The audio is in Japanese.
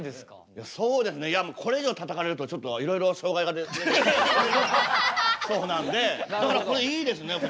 いやそうですねいやこれ以上たたかれるとちょっといろいろ障害が出てきそうなんでだからこれいいですね。